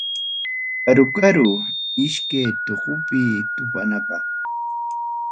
Karuqa karuqa, iskay tuqupi tupunapaq.